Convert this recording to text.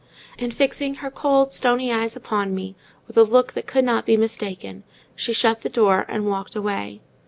And fixing her cold, stony eyes upon me with a look that could not be mistaken, she would shut the door, and walk away.